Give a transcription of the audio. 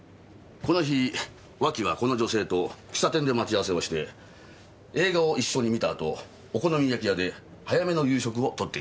この日脇はこの女性と喫茶店で待ち合わせをして映画を一緒に観たあとお好み焼き屋で早めの夕食をとっています。